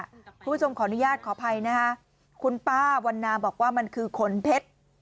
คุณผู้ชมขออนุญาตขออภัยนะคะคุณป้าวันนาบอกว่ามันคือขนเพชร